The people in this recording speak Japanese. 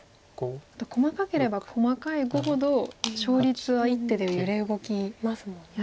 細かければ細かい碁ほど勝率は１手で揺れ動きやすいですよね。